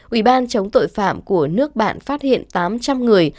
ủy ban chống tội phạm của nước bạn phát hiện tám trăm linh người